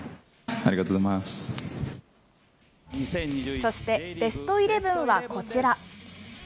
そして、ベストイレブンはこちら。